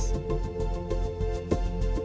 ketika sudah sampai dikonsumsi limba padat akan dikonsumsi